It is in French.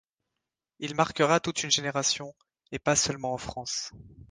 Il marquera toute une génération, et pas seulement en France.